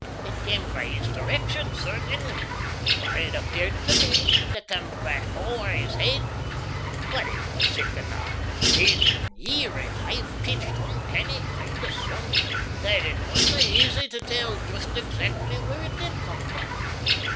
It cam frae his direction, certainly, but it appeared tae me tae come frae ower his heid, but it was siccan a thin, eerie, high pitched, uncanny kind o' soond that it wasna easy tae say just exactly where it did come frae.